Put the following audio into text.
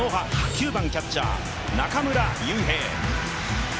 ９番キャッチャー・中村悠平。